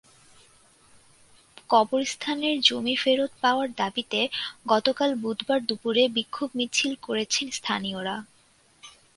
কবরস্থানের জমি ফেরত পাওয়ার দাবিতে গতকাল বুধবার দুপুরে বিক্ষোভ মিছিল করেছেন স্থানীয়রা।